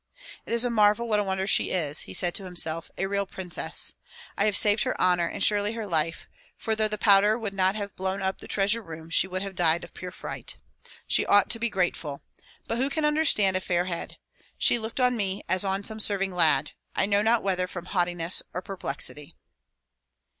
"It is a marvel what a wonder she is," said he to himself, "a real princess! I have saved her honor and surely her life, for though the powder would not have blown up the treasure room she would have died of pure fright. She ought to be grateful. But who can understand a fair head? She looked on me as on some serving lad, I know not whether from haughtiness or perplexity."